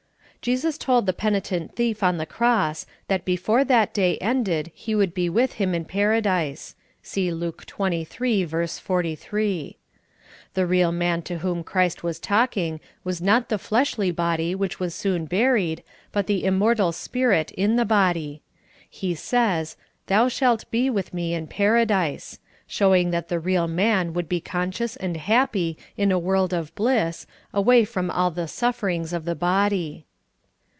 Jesus told the penitent thief on the cross that be fore that day ended he would be wdth Him in Paradise. (vSee Luke 23: 43.) The real man to whom Christ was talking was not the fleshly body which was soon buried, but the immortal spirit in the body. He sa5^s, " Thou shalt be with Me in Paradise," showing that 96 SOUL FOOD. the real man would be conscious and happ}' in a world of bliss, away from all the sufferings of the bod}